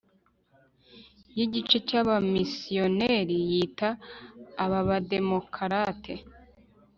y igice cy abamisiyoneri yita ab'abademokarate